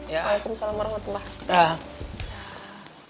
waalaikumsalam warahmatullahi wabarakatuh